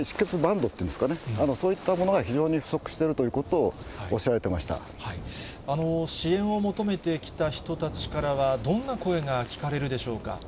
バンドっていうんですかね、そういったものが非常に不足しているということをおっしゃられて支援を求めてきた人たちからは、どんな声が聞かれるでしょうか。